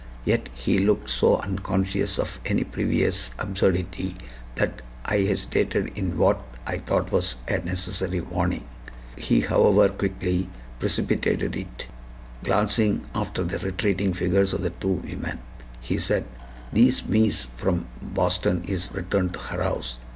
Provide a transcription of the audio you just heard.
Yet he looked so unconscious of any previous absurdity that I hesitated in what I thought was a necessary warning. He, however, quickly precipitated it. Glancing after the retreating figures of the two women, he said: "Thees mees from Boston is return to her house.